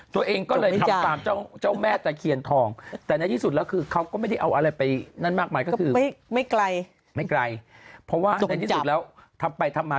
ตัวเองก็เลยทำตามเจ้าแม่ตะเคียนทองแต่ในที่สุดล่ะคือเขาก็ไม่ได้เอาอะไรไป